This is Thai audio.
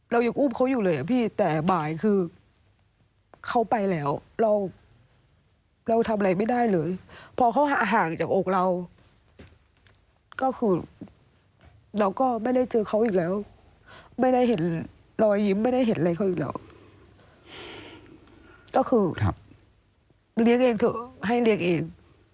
เรายังอุ๊บเขาอยู่เลยอะพี่แต่บ่ายคือเขาไปแล้วเราทำอะไรไม่ได้เลยพอเขาห่างจากอกเราก็คือเราก็ไม่ได้เจอเขาอีกแล้วไม่ได้เห็นรอยยิ้มไม่ได้เห็นอะไรเขาอีกหรอกก็คือเลี้ยงเองเถอะให้เลี้ยงเอง